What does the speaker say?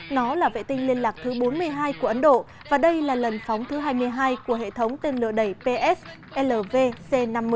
nó là vệ tinh liên lạc thứ bốn mươi hai của ấn độ và đây là lần phóng thứ hai mươi hai của hệ thống tên lửa đẩy pslvc năm mươi